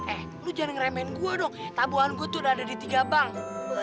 eh lu jangan ngeremehin gua dong tabungan gua tuh udah ada di tiga bank